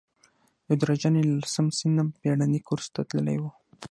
یو درجن یې له لسم صنف څخه بېړني کورس ته تللي وو.